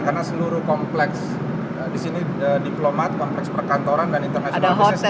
karena seluruh kompleks di sini diplomat kompleks perkantoran dan international business